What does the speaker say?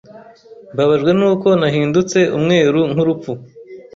Mbabajwe nuko nahindutse umweru nk'urupfu